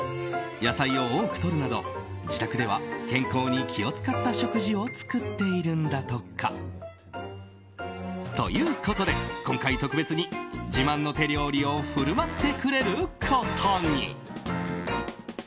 野菜を多くとるなど自宅では健康に気を使った食事を作っているんだとか。ということで、今回特別に自慢の手料理を振る舞ってくれることに。